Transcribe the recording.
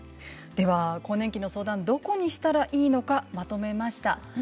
では更年期の相談をどこにしたらいいかまとめました。